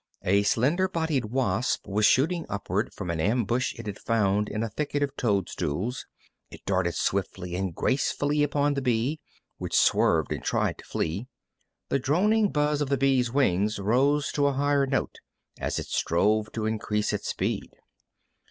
A slender bodied wasp was shooting upward from an ambush it had found in a thicket of toadstools. It darted swiftly and gracefully upon the bee, which swerved and tried to flee. The droning buzz of the bee's wings rose to a higher note as it strove to increase its speed.